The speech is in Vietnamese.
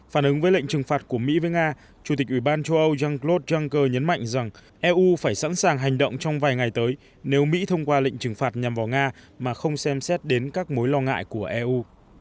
phản ứng với lệnh trừng phạt của mỹ với nga chủ tịch ủy ban châu âu jean claude juncker nhấn mạnh rằng eu phải sẵn sàng hành động trong vài ngày tới nếu mỹ thông qua lệnh trừng phạt nhằm vào nga mà không xem xét đến các mối lo ngại của eu